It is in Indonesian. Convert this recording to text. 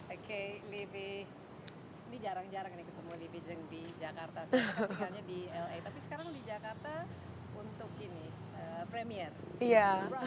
oke livi ini jarang jarang nih ketemu livi zheng di jakarta